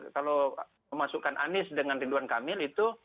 kalau memasukkan anies dengan ridwan kamil itu